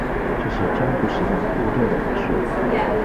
这是江户时代固定的仪式。